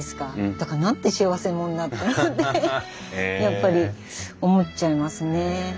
だからなんて幸せ者なんだろうってやっぱり思っちゃいますね。